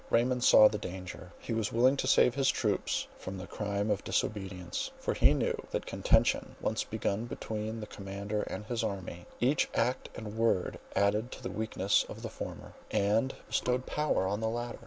Raymond saw the danger; he was willing to save his troops from the crime of disobedience; for he knew, that contention once begun between the commander and his army, each act and word added to the weakness of the former, and bestowed power on the latter.